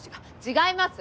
違います！